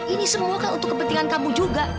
ini semua untuk kepentingan kamu juga